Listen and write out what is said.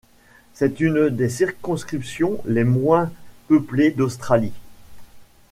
C'est une des circonscriptions les moins peuplées d'Australie.